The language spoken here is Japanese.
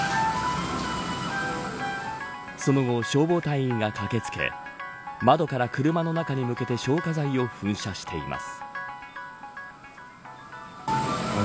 その後、消防隊員が駆け付け窓から車の中に向けて消火剤を噴射しています。